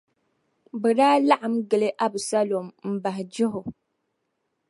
bɛ daa laɣim gili Absalom m-bahi jɛhi o.